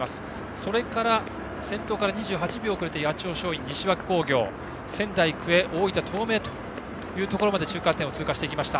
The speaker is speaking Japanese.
それから先頭から２８秒遅れて八千代松陰、西脇工業仙台育英大分東明というところまでが中間点を通過しました。